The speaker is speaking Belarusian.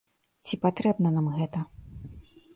Ці патрэбна нам гэта?